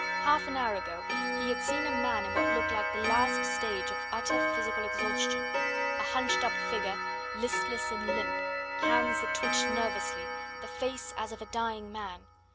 Half an hour ago he had seen a man in what looked like the last stage of utter physical exhaustion, a hunched up figure, listless and limp, hands that twitched nervously, the face as of a dying man.